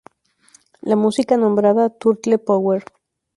La música nombrada, "Turtle Power".